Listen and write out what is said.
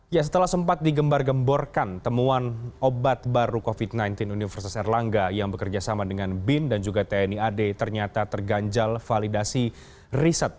ya setelah sempat digembar gemborkan temuan obat baru covid sembilan belas universitas erlangga yang bekerja sama dengan bin dan juga tni ad ternyata terganjal validasi riset